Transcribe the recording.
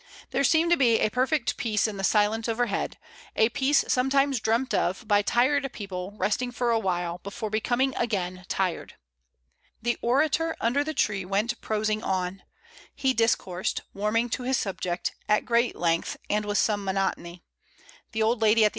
There seemed to be perfect peace in the silence overhead: a peace sometimes dreamt of by tired people resting for a while before becoming again tired. The orator under the tree went prosing on. He discoursed, warming to his subject, at great length and with some monotony. The old lady, at the 48 MRS. DYMOND.